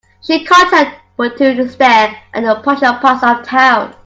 She can't help but to stare at the posher parts of town.